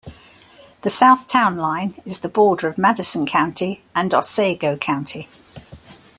The south town line is the border of Madison County and Otsego County.